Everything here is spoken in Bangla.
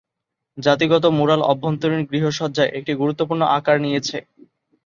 জাতিগত ম্যুরাল অভ্যন্তরীণ গৃহসজ্জায় একটি গুরুত্বপূর্ণ আকার নিয়েছে।